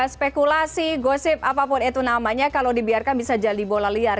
spekulasi gosip apapun itu namanya kalau dibiarkan bisa jadi bola liar